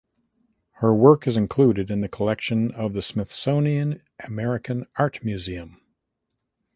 Her work is included in the collection of the Smithsonian American Art Museum.